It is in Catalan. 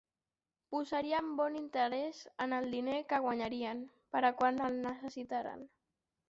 Posarien bon interès en el diner que guanyarien, per a quan el necessitaren.